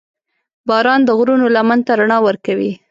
• باران د غرونو لمن ته رڼا ورکوي.